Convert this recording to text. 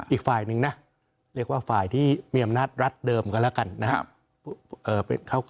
อีกฝ่ายหนึ่งนะเรียกว่าฝ่ายที่มีอำนาจรัฐเดิมก็แล้วกันนะครับ